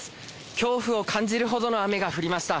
恐怖を感じるほどの雨が降りました。